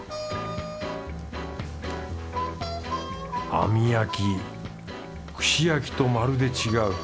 網焼き串焼きとまるで違う。